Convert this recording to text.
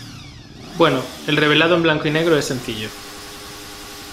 bueno, el revelado en blanco y negro es sencillo.